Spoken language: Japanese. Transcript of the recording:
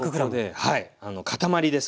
塊です